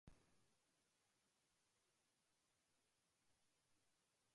وینا ملک نے اسد خٹک سے علیحدگی کی تصدیق کردی